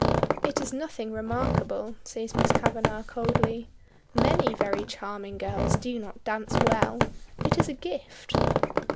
"It is nothing remarkable," says Miss Kavanagh, coldly. "Many very charming girls do not dance well. It is a gift."